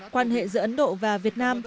quan hệ giữa ấn độ và việt nam